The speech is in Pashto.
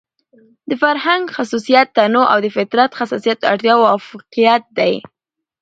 د فرهنګ خصوصيت تنوع او د فطرت خصوصيت اړتيا او اۤفاقيت دى.